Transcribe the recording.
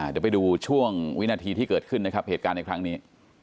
เดี๋ยวไปดูช่วงวินาทีที่เกิดขึ้นนะครับเหตุการณ์ในครั้งนี้